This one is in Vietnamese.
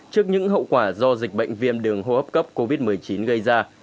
trước những hậu quả do dịch bệnh viêm đường hô hấp cấp covid một mươi chín gây ra